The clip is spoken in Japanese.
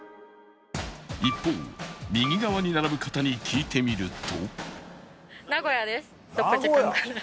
一方右側に並ぶ方に聞いてみると